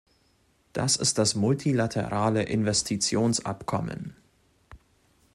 Das ist das Multilaterale Investitionsabkommen.